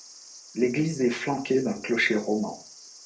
L'église est flanquée d'un clocher roman.